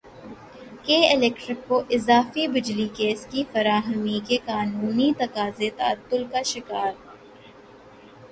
کے الیکٹرک کو اضافی بجلی گیس کی فراہمی کے قانونی تقاضے تعطل کا شکار